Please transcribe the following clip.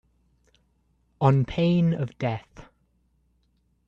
On pain of death